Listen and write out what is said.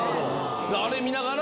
あれ見ながら。